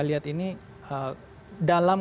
lihat ini dalam